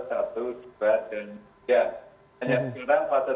hanya sekarang fase tiga nya